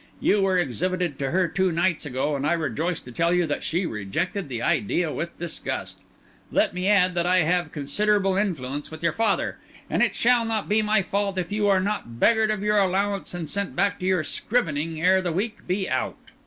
You were exhibited to her two nights ago; and I rejoice to tell you that she rejected the idea with disgust. Let me add that I have considerable influence with your father; and it shall not be my fault if you are not beggared of your allowance and sent back to your scrivening ere the week be out."